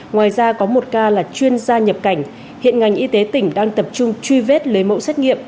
ngoài ra có một ca là chuyên gia nhập cảnh hiện ngành y tế tỉnh đang tập trung truy vết lấy mẫu xét nghiệm